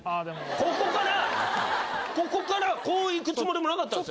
ここからここからこう行くつもりもなかったんです。